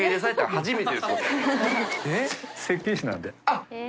あっ！